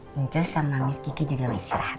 mijo sama miss kiki juga mau istirahat